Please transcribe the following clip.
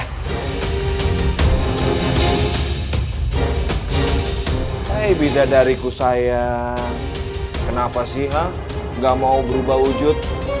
hei bidadariku sayang kenapa sih gak mau berubah wujud